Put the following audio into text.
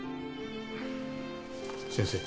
先生。